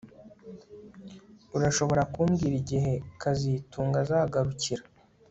Urashobora kumbwira igihe kazitunga azagarukira